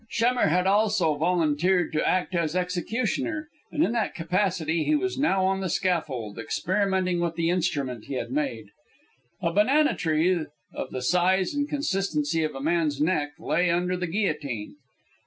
Schemmer had also volunteered to act as executioner, and in that capacity he was now on the scaffold, experimenting with the instrument he had made. A banana tree, of the size and consistency of a man's neck, lay under the guillotine.